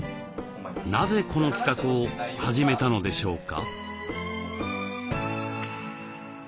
なぜこの企画を始めたのでしょうか？